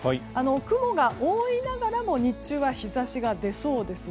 雲が多いながらも日中は日差しが出そうです。